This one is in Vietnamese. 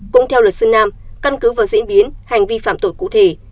cũng theo luật sư nam căn cứ vào diễn biến hành vi phạm tội cụ thể